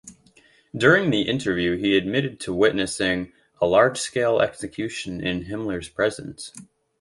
During the interview he admitted to witnessing a large-scale execution in Himmler's presence.